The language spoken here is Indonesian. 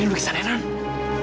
ini lukisan nenek